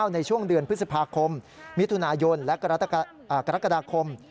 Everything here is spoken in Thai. ในช่วงเดือนพฤษภาคมมิถุนายนและกรกฎาคม